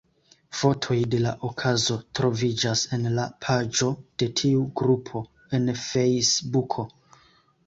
Fotoj de la okazo troviĝas en la paĝo de tiu grupo en Fejsbuko.